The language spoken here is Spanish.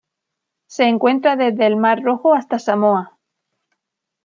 Se encuentra desde el Mar Rojo hasta Samoa.